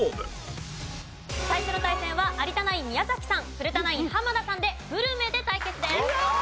最初の対戦は有田ナイン宮崎さん古田ナイン濱田さんでグルメで対決です。